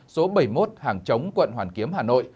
số bảy mươi một hàng chống quận hoàn kiếm hà nội